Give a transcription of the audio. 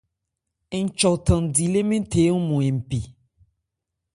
Nchɔ thandi lê mɛ́n the ɔ́nmɔn npi.